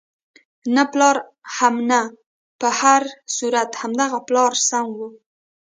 نه پلار هم نه، په هر صورت همدغه پلار سم وو.